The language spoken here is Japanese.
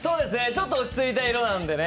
ちょっと落ち着いた色なんでね